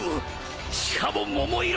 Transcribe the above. しかも桃色！